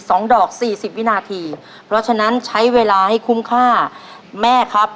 สองดอกสี่สิบวินาทีเพราะฉะนั้นใช้เวลาให้คุ้มค่าแม่ครับ